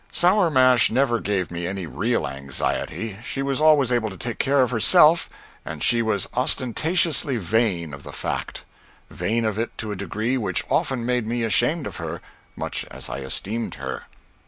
Sour Mash never gave me any real anxiety; she was always able to take care of herself, and she was ostentatiously vain of the fact; vain of it to a degree which often made me ashamed of her, much as I esteemed her.